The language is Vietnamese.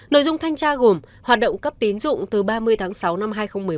nội dung thanh tra gồm hoạt động cấp tín dụng từ ba mươi tháng sáu năm hai nghìn một mươi bốn